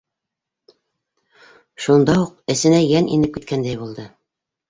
Шунда уҡ эсенә йән инеп киткәндәй булды.